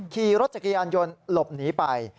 ขี่รถจักรยานยนต์หลบหนีไป